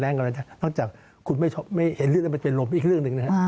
นอกจากคุณไม่เห็นเลือดมันเป็นลมอีกเรื่องหนึ่ง